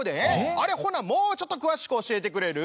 あれほなもうちょっと詳しく教えてくれる？